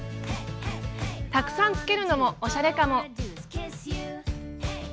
たくさんつけるのもおしゃれかも。